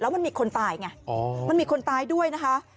มันมีคนตายไงมันมีคนตายด้วยนะคะ